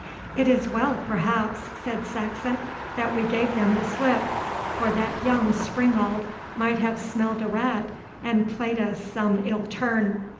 'It is as well, perhaps,' said Saxon, 'that we gave them the slip, for that young springald might have smelled a rat and played us some ill turn.